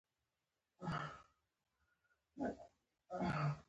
دوږمو نرم ښځینه لا سونه